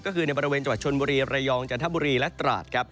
ก็คือในบริเวณจังหวัดชนบุรีระยองจันทบุรีและตราดครับ